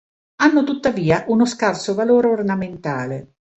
Hanno tuttavia uno scarso valore ornamentale.